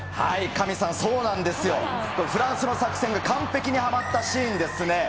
カミさん、そうなんですよ、フランスの作戦が完璧にはまったシーンですね。